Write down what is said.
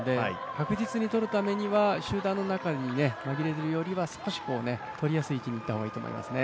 確実にとるためには、集団の中に紛れるよりは少しとりやすい位置にいった方がいいと思いますね。